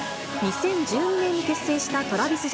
２０１２年に結成したトラヴィス